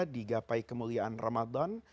di gapai kemuliaan ramadhan